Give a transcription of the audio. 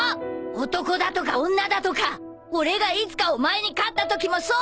男だとか女だとか俺がいつかお前に勝ったときもそう言うのか！？